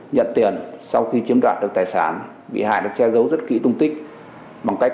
nhận tiền sau khi chiếm đoạt được tài sản bị hại được che giấu rất kỹ tung tích bằng cách